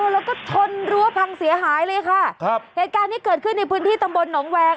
แล้วก็ชนรั้วพังเสียหายเลยค่ะครับเหตุการณ์ที่เกิดขึ้นในพื้นที่ตำบลหนองแวง